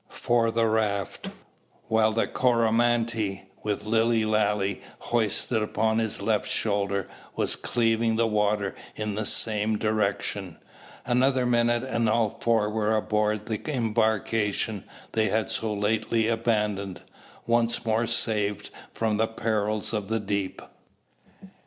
for the raft; while the Coromantee, with Lilly Lalee hoisted upon his left shoulder, was cleaving the water in the same direction. Another minute and all four were aboard the embarkation they had so lately abandoned, once more saved from the perils of the deep!